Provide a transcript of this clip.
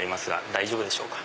大丈夫でしょうか？